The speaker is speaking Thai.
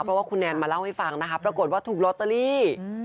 เพราะว่าคุณแนนมาเล่าให้ฟังนะคะปรากฏว่าถูกลอตเตอรี่